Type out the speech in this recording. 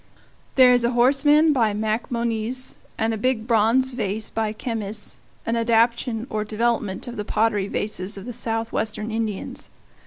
There is a horseman by Macmonnies, and a big bronze vase by Kemys, an adaptation or development of the pottery vases of the Southwestern Indians.